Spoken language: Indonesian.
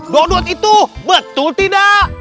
wah duet itu betul tidak